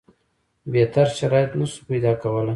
بهتر شرایط نه سو پیدا کولای.